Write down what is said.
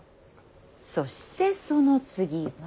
そしてその次は。